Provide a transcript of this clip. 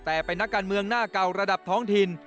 แต่เป็นนักการเมืองหน้าเก่าระดับท้องถิ่น